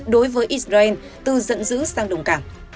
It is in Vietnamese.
đối với israel từ dẫn dữ sang đồng cảm